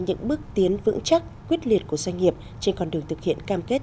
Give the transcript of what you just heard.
những bước tiến vững chắc quyết liệt của doanh nghiệp trên con đường thực hiện cam kết